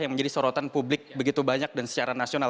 yang menjadi sorotan publik begitu banyak dan secara nasional